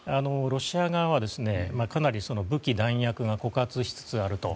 ロシア側は、かなり武器弾薬が枯渇しつつあると。